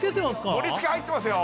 盛りつけ入ってますよ。